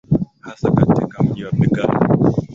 hasa katika mji wa begal